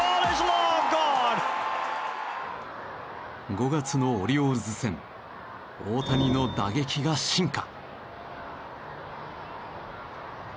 ５月のオリオールズ戦大谷の打撃が進化。